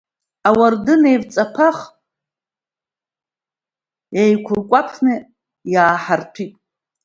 Ауардын еивҵаԥах, еиқәыркәаԥны иааҳарҭәит.